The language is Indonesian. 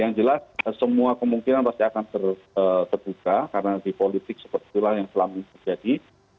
yang jelas semua kemungkinan pasti akan terbuka karena di politik seperti itulah yang selama ini terjadi